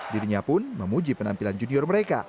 dirinya pun memuji penampilan junior mereka